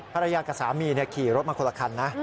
ภรรยากับสามีขี่รถมาคนละคันนะ